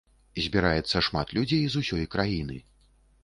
Збіраецца шмат людзей з усёй краіны.